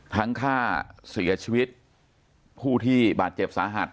ฆ่าเสียชีวิตผู้ที่บาดเจ็บสาหัส